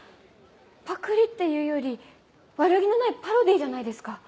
パクリっていうより悪気のないパロディーじゃないですか。